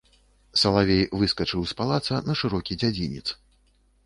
Салавей выскачыў з палаца на шырокі дзядзінец.